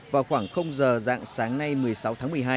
vào khoảng giờ dạng sáng nay một mươi sáu tháng một mươi hai